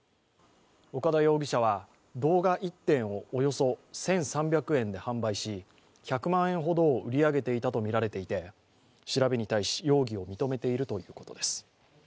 岡田容疑者は動画１点をおよそ１３００円で販売し１００万円ほどを売り上げていたとみられていて、調べに対し、容疑を認めているということです。